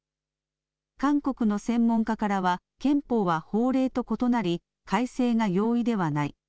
韓国の専門家からは憲法は法令と異なり改正が容易ではない。